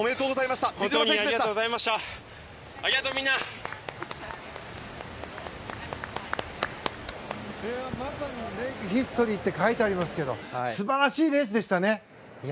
まさにメイクヒストリーって書いてありますけど素晴らしいレースでしたね。